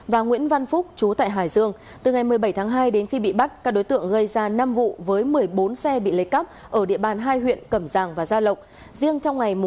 và những ảnh hưởng tiêu cực của những hội nhóm kiểu này